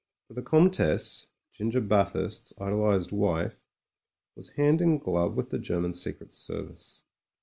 For the Comtesse — ^Ginger Bathurst's idol ised wife — ^was hand in glove with the German Secret Service.